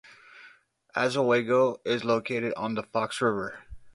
Oswego is located on the Fox River.